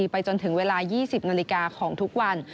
ไปจนถึงเวลา๒๐นของทุกวัน